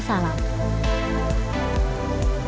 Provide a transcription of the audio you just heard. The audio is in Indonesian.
wisata alam yang terletak di desa jarak ini menggunakan aliran sungai